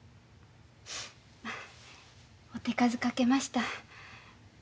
お手数かけました。